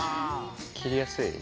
切りやすい？